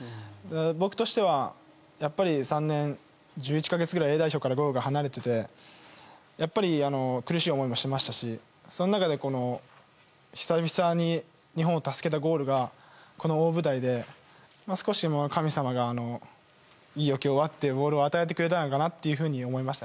僕としてはやっぱり３年１１か月ぐらいＡ代表でゴールから離れていて苦しい思いもしていましたしその中で久々に日本を助けたゴールがこの大舞台で少し、神様がいいよ、今日はってゴールを与えてくれたのかなと思いました。